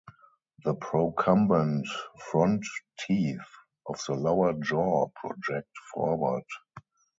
The procumbent front teeth of the lower jaw project forward.